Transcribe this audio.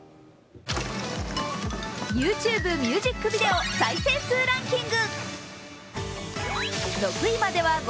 ＹｏｕＴｕｂｅミュージックビデオ再生数ランキング。